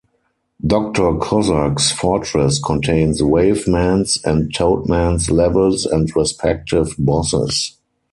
Doctor Cossack's fortress contains Wave Man's and Toad Man's levels and respective bosses.